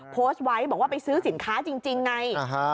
โพสต์ไว้บอกว่าไปซื้อสินค้าจริงไง